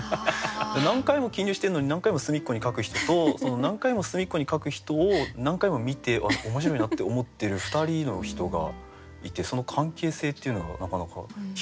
何回も記入してるのに何回も隅っこに書く人とその何回も隅っこに書く人を何回も見てわっ面白いなって思ってる２人の人がいてその関係性っていうのがなかなかひかれました。